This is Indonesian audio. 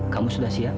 kamu sudah siap